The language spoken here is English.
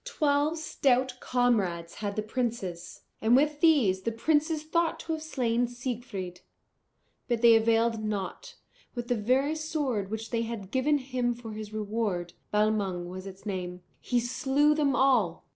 Twelve stout comrades had the princes, and with these the princes thought to have slain Siegfried. But they availed nought; with the very sword which they had given him for his reward Balmung was its name he slew them all.